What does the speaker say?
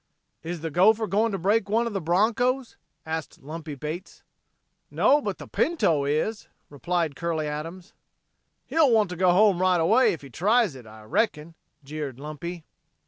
"Is the gopher going to break one of the bronchos?" asked Lumpy Bates. "No, but the Pinto is," replied Curley Adams. "He'll want to go home right away if he tries it, I reckon," jeered Lumpy.